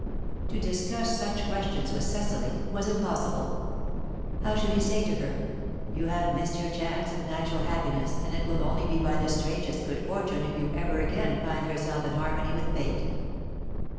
To discuss such questions with Cecily was impossible. How should he say to her, "You have missed your chance of natural happiness, and it will only be by the strangest good fortune if you ever again find yourself in harmony with fate"?